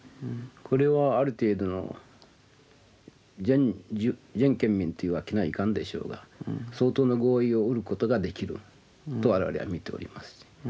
これはある程度全県民というわけにはいかんでしょうが相当な合意をうることができると我々は見ております。